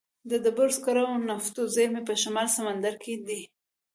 د ډبرو سکرو او نفتو زیرمې په شمال سمندرګي کې دي.